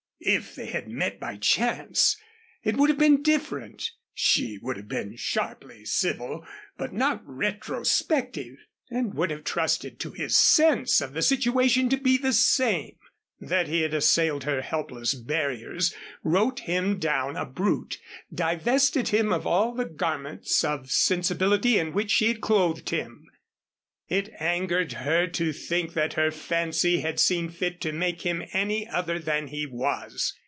If they had met by chance, it would have been different. She would have been sharply civil, but not retrospective; and would have trusted to his sense of the situation to be the same. That he had assailed her helpless barriers, wrote him down a brute, divested him of all the garments of sensibility in which she had clothed him. It angered her to think that her fancy had seen fit to make him any other than he was.